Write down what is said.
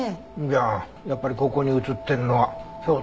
じゃあやっぱりここに映ってるのは兵働本人。